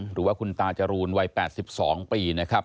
หรือว่าคุณตาจรูนวัย๘๒ปีนะครับ